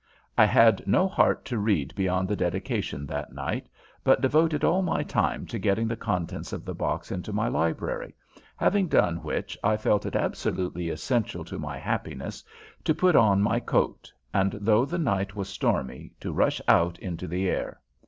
I had no heart to read beyond the dedication that night, but devoted all my time to getting the contents of the box into my library, having done which I felt it absolutely essential to my happiness to put on my coat, and, though the night was stormy, to rush out into the air.